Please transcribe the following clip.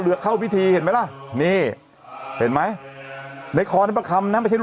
สื่อสารกับเทศ